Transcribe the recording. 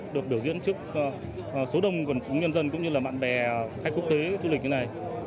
được biểu diễn trước số đông quần chúng nhân dân cũng như là bạn bè khách quốc tế du lịch như này